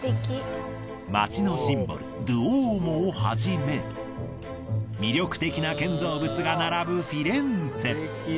街のシンボルドゥオーモをはじめ魅力的な建造物が並ぶフィレンツェ。